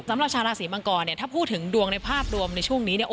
สำหรับชาลาศีมังกรถ้าพูดถึงดวงในภาพรวมในช่วงนี้